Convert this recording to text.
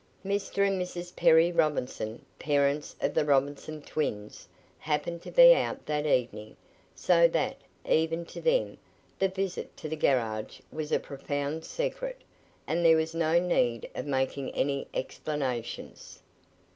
Mr. and Mrs. Perry Robinson, parents of the Robinson twins, happened to be out that evening, so that, even to them, the visit to the garage was a profound secret, and there was no need of making any explanations.